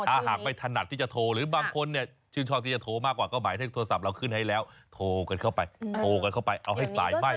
ถ้าหากไม่ถนัดที่จะโทรหรือบางคนเนี่ยชื่นชอบที่จะโทรมากกว่าก็หมายเลขโทรศัพท์เราขึ้นให้แล้วโทรกันเข้าไปโทรกันเข้าไปเอาให้สายไหม้